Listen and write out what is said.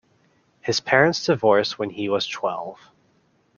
His parents divorced when he was twelve.